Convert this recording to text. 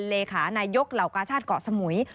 เลขานายกเหล่ากาชาติเกาะสมุย